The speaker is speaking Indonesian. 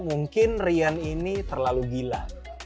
mungkin rian ini terlalu gila